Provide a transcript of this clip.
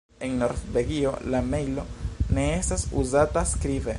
En Norvegio la mejlo ne estas uzata skribe.